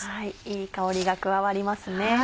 いい香りが加わりますね。